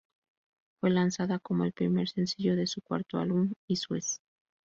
Fue lanzada como el primer sencillo de su cuarto álbum "Issues".